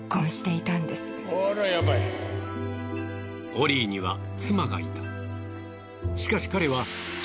オリーには妻がいた。